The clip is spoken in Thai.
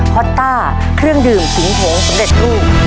พอต้าเครื่องดื่มสิงโผงสำเร็จรูป